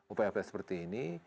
upaya upaya seperti ini